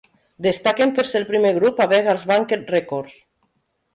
Destaquen per ser el primer grup a Beggars Banquet Records.